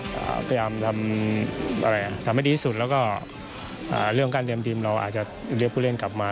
พยายามทำอะไรอ่ะทำให้ดีที่สุดแล้วก็อ่าเรื่องการเตรียมทีมเราอาจจะเรียกผู้เล่นกลับมา